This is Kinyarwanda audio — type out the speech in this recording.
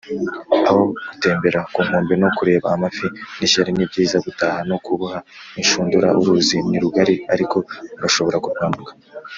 aho gutembera ku nkombe no kureba amafi n'ishyari, nibyiza gutaha no kuboha inshundura. uruzi ni rugari ariko urashobora kurwambuka.